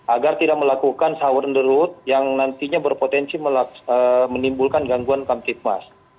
agar tidak melakukan sahur and the road yang nantinya berpotensi menimbulkan gangguan kamtipmas